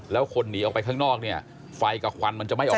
แล้วคนหนีออกไปข้างนอกเนี่ยไฟกับควันมันจะไม่ออก